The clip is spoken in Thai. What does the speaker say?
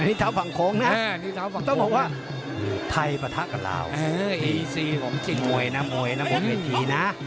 อันนี้เท้าฝั่งโขงนะเจ้าบอกว่าไทยปฏะกับลาวโหม่ยนะโหม่ยน้ำโกบเผยตีนะ